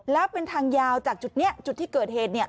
แล้วเป็นทางยาวจากจุดนี้จุดที่เกิดเหตุเนี่ย